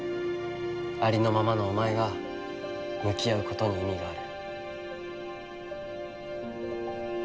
ありのままのお前が向き合うことに意味がある。